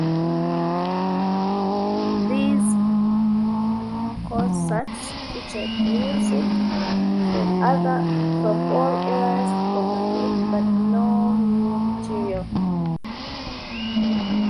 These concerts featured music from all eras of the group but no new material.